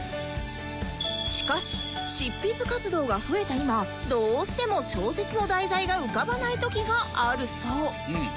しかし執筆活動が増えた今どうしても小説の題材が浮かばない時があるそう